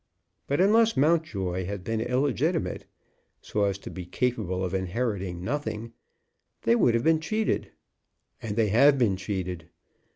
But unless Mountjoy had been illegitimate, so as to be capable of inheriting nothing, they would have been cheated; and they have been cheated.